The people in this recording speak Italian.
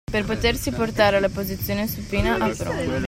Per potersi portare dalla posizione supina a prona